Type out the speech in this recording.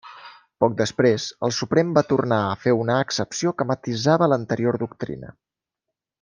Poc després, el Suprem va tornar a fer una excepció que matisava l'anterior doctrina.